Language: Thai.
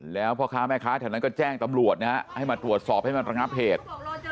แล้วพ่อค้าแม่ค้าแถวนั้นก็แจ้งตำรวจนะฮะให้มาตรวจสอบให้มาระงับเหตุ